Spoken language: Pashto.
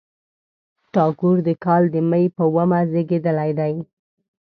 ټاګور د کال د مۍ په اوومه زېږېدلی دی.